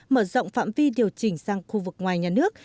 mở rộng phạm vi điều chỉnh sang khu vực ngoài nhà nước